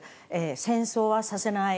戦争はさせない。